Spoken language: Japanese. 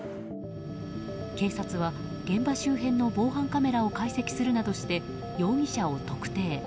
警察は現場周辺の防犯カメラを解析するなどして容疑者を特定。